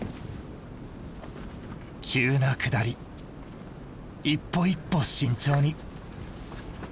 急な下り一歩一歩慎重に。